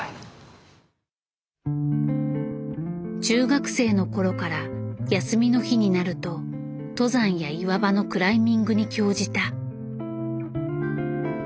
中学生の頃から休みの日になると登山や岩場のクライミングに興じた。